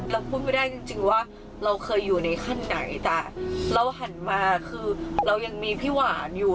เราพูดไม่ได้จริงว่าเราเคยอยู่ในขั้นไหนแต่เราหันมาคือเรายังมีพี่หวานอยู่